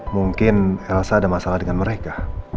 mungkin elsa ada masalah dengan mereka